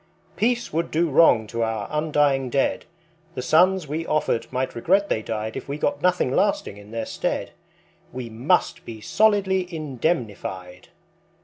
Peace would do wrong to our undying dead, The sons we offered might regret they died If we got nothing lasting in their stead. We must be solidly indemnified.